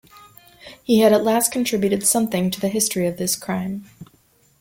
He had at last contributed something to the history of this crime.